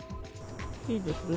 いいですね。